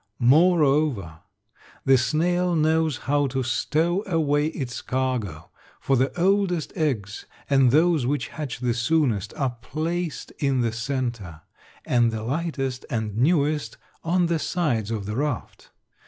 Moreover, the snail knows how to stow away its cargo, for the oldest eggs and those which hatch the soonest are placed in the center and the lightest and newest on the sides of the raft.